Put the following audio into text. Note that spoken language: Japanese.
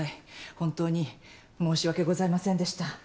本当に申し訳ございませんでした。